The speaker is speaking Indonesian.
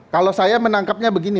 kalau saya menangkapnya begini